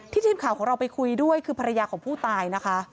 ทีมข่าวของเราไปคุยด้วยคือภรรยาของผู้ตายนะคะ